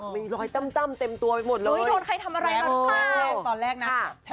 มีรอยตั้มเต็มตัวไปหมดเลย